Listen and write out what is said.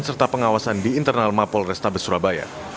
serta pengawasan di internal mapol restabes surabaya